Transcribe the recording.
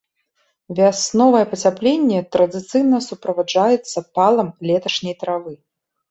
Вясновае пацяпленне традыцыйна суправаджаецца палам леташняй травы.